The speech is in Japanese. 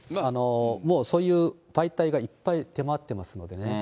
もうそういう媒体がいっぱい出回ってますのでね。